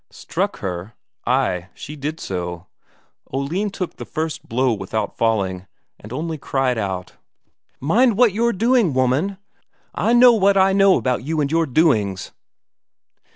Struck her? Ay, she did so. Oline took the first blow without falling, and only cried out: "Mind what you're doing, woman! I know what I know about you and your doings!"